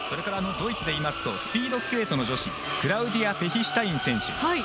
ドイツでいいますとスピードスケートの女子クラウディア・ペヒシュタイン選手